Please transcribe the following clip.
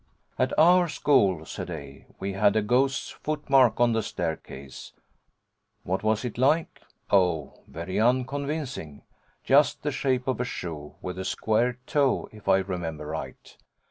'At our school,' said A., 'we had a ghost's footmark on the staircase. What was it like? Oh, very unconvincing. Just the shape of a shoe, with a square toe, if I remember right.